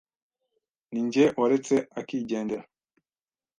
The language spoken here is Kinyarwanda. Ninjye waretse akigendera.